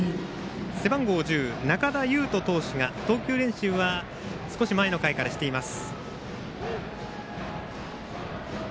背番号１０中田有飛投手が投球練習は少し前の回からしています。